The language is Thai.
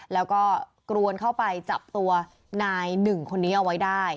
แล้วก็กรวนเข้าไปจับตัวนายหนึ่งคนนี้เอาไว้ได้